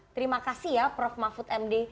terima kasih ya prof mahfud md